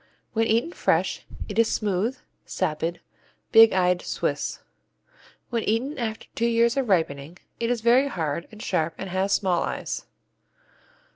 When eaten fresh, it is smooth, sapid, big eyed Swiss. When eaten after two years of ripening, it is very hard and sharp and has small eyes.